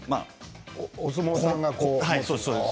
お相撲さんが？